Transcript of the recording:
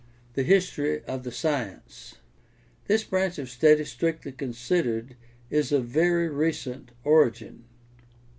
THE HISTORY OF THE SCIENCE This branch of study strictly considered is of very recent origin.